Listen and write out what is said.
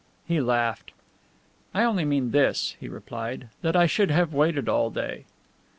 He laughed. "I only mean this," he replied, "that I should have waited all day."